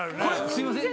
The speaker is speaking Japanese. すいません。